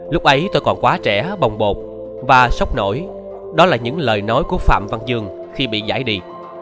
lúc ấy tôi còn quá trẻ bồng bột và sốc nổi đó là những lời nói của phạm văn dương khi bị giải đi